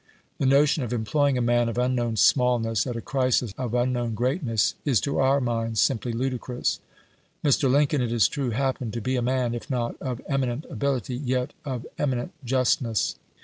The notion of employing a man of unknown smallness at a crisis of unknown greatness is to our minds simply ludicrous. Mr. Lincoln, it is true, happened to be a man, if not of eminent ability, yet of eminent justness.